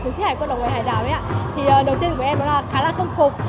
chiến sĩ hải quân đồng người hải đảo ấy ạ thì đầu tiên của em đó là khá là khâm phục